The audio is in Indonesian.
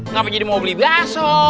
ngapain jadi mau beli bakso